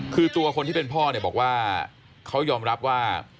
คือตัวคนที่เป็นพ่อเนี่ยบอกว่าเขายอมรับว่า